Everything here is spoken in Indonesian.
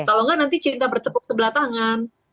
kalau enggak nanti cinta bertepuk sebelah tangan